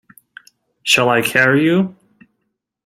Shall I carry you.